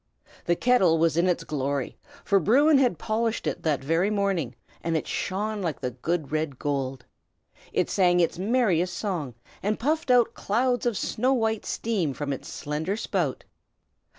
The kettle was in its glory, for Bruin had polished it that very morning, and it shone like the good red gold. It sang its merriest song, and puffed out clouds of snow white steam from its slender spout.